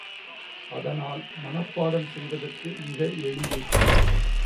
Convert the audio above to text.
அதனால் மனப்பாடம் செய்வதற்கு மிக எளிது.